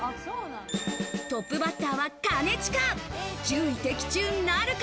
トップバッターは兼近。